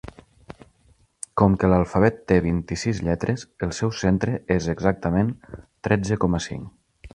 Com que l'alfabet té vint-i-sis lletres el seu centre és exactament tretze coma cinc.